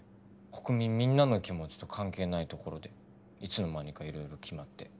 国民みんなの気持ちと関係ないところでいつの間にか色々決まって。